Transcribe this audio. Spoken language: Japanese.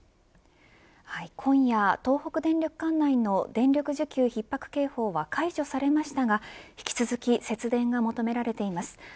今夜、東北電力管内の電力需給ひっ迫警報は解除されましたが引き続き節電が求められています。